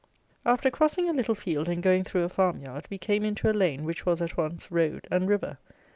After crossing a little field and going through a farm yard, we came into a lane, which was, at once, road and river.